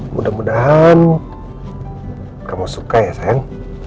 mudah mudahan kamu suka ya sayang